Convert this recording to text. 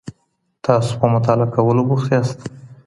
تاسو په مطالعه کولو بوخت یاست.